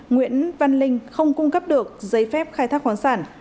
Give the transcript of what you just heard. nguyễn văn linh không cung cấp được giấy phép khai thác khoáng sản